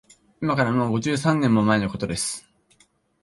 いまから、もう五十三年も前のことです